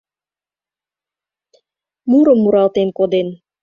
Мурым муралтен коден: